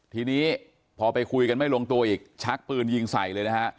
ทีนี้พอไปคุยกันไม่ลงตัวอีกชักปืนยิงใส่เลยนะฮะ